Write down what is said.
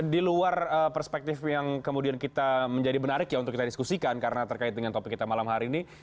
di luar perspektif yang kemudian kita menjadi menarik ya untuk kita diskusikan karena terkait dengan topik kita malam hari ini